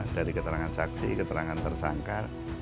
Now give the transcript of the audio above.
dari keterangan saksi keterangan tersangka